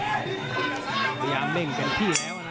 พยายามเด้งแก่พี่แแล้วนะ